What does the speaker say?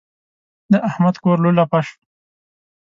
د احمد کور لولپه شو.